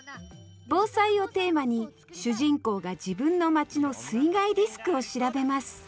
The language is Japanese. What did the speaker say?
「防災」をテーマに主人公が自分の町の水害リスクを調べます。